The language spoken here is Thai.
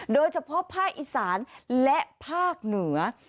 โดยเฉพาะภาคอีสานและภาคเหนือ